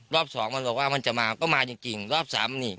รอบสองมันบอกว่ามันจะมาก็มาจริงรอบสามนี่